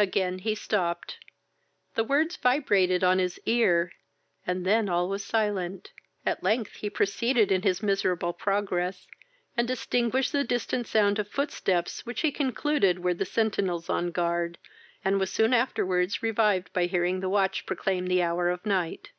Again he stopped. The words vibrated on his ear, and then all was silent. At length he proceeded in his miserable progress, and distinguished the distant sound of footsteps, which he concluded were the centinels on guard, and was soon afterwards revived by hearing the watch proclaim the hour of night.